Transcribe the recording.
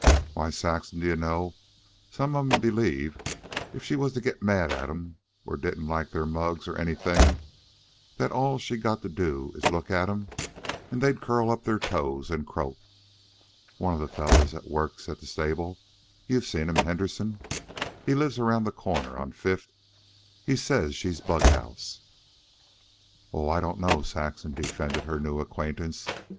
Why, Saxon, d'ye know, some of 'em believe if she was to get mad at 'em, or didn't like their mugs, or anything, that all she's got to do is look at 'em an' they'll curl up their toes an' croak. One of the fellows that works at the stable you've seen 'm Henderson he lives around the corner on Fifth he says she's bughouse." "Oh, I don't know," Saxon defended her new acquaintance.